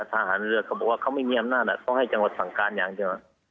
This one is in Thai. ทหารเรือเขาบอกว่าเขาไม่มีอำนาจเขาให้จังหวัดสั่งการอย่างเดียว